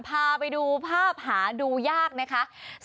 พาไปดูภาพหาดูยากนะคะ